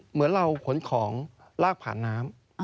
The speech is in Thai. เหมือนเราขนของลากผ่านน้ำ